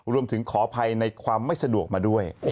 รวมถึงขอภัยในความไม่สะดวกมาด้วย